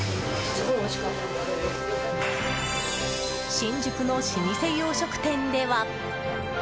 新宿の老舗洋食店では。